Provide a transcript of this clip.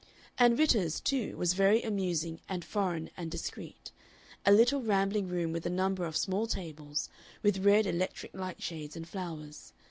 And Ritter's, too, was very amusing and foreign and discreet; a little rambling room with a number of small tables, with red electric light shades and flowers.